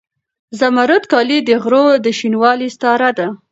زمردي کالي د غرو د شینوالي استعاره ده.